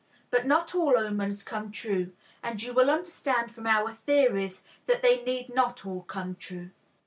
But not all omens come true, and you will understand from our theories that they need not all come true.